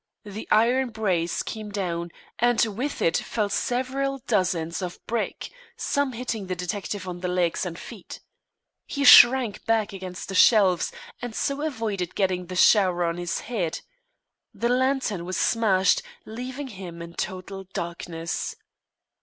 The iron brace came down, and with it fell several dozens of brick, some hitting the detective on the legs and feet. He shrank back against the shelves, and so avoided getting the shower on his head. The lantern was smashed, leaving him in total darkness.